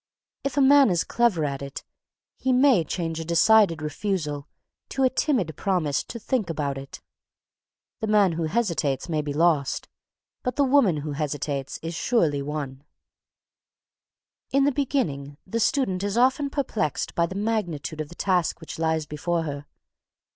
If a man is clever at it, he may change a decided refusal to a timid promise to "think about it." The man who hesitates may be lost, but the woman who hesitates is surely won. In the beginning, the student is often perplexed by the magnitude of the task which lies before her.